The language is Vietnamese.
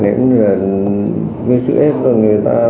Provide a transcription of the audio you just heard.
ném nguyện gây sức ép cho người ta